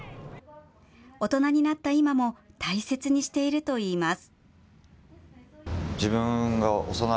大人になった今も大切にしているといいます。